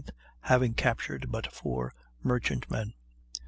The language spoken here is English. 14th, having captured but four merchant men.